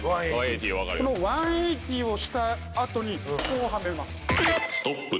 この１８０をした後にこうはめます。